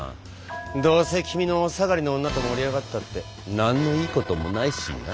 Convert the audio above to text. どうせ君のお下がりの女と盛り上がったって何のいいこともないしな。